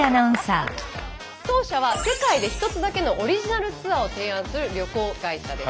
当社は世界でひとつだけのオリジナルツアーを提案する旅行会社です。